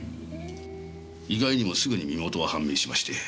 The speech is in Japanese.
意外にもすぐに身元は判明しまして。